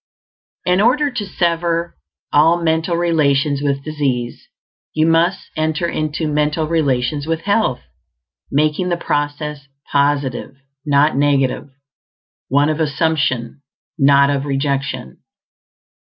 In order to sever all mental relations with disease, you must enter into mental relations with health, making the process positive not negative; one of assumption, not of rejection.